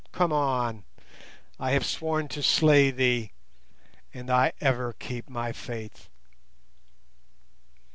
come on! I have sworn to slay thee, and I ever keep my faith."